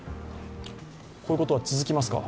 こういうことは続きますか。